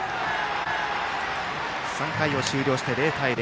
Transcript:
３回を終了して０対０。